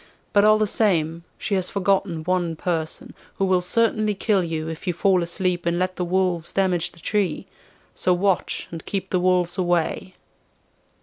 But all the same, she has forgotten one person, who will certainly kill you if you fall asleep and let the wolves damage the tree. So watch and keep the wolves away.